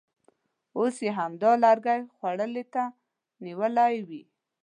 اوس یې همدا لرګی خولې ته نیولی وي.